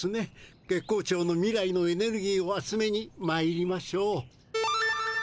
月光町の未来のエネルギーをあつめにまいりましょう。